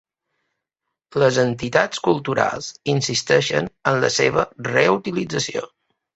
Les entitats culturals insisteixen en la seva reutilització.